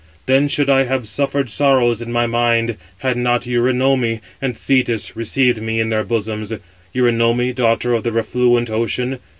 591 Then should I have suffered sorrows in my mind, had not Eurynome and Thetis received me in their bosom; Eurynome, daughter of the refluent Ocean.